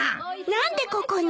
何でここに？